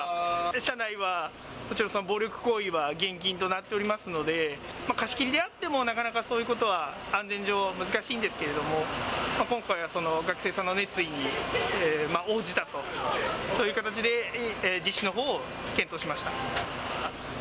車内はもちろん暴力行為は厳禁となっておりますので、貸し切りであっても、なかなか、そういうことは安全上、難しいんですけれども、今回はその学生さんの熱意に応じたと、そういう形で実施のほうを検討しました。